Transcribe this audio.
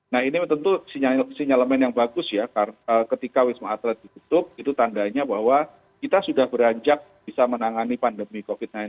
nah ini tentu sinyalemen yang bagus ya ketika wisma atlet ditutup itu tandanya bahwa kita sudah beranjak bisa menangani pandemi covid sembilan belas